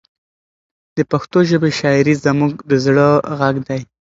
د پښتو ژبې شاعري زموږ د زړه غږ دی.